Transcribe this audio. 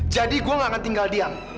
jadi gue nggak akan tinggal diam